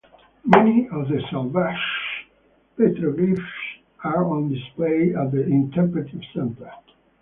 Many of the salvaged petroglyphs are on display at the Interpretive Center.